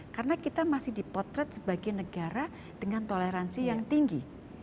karena kita masih dipotret sebagai negara dengan toleransi yang tinggi